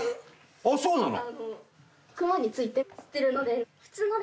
あっそうなの？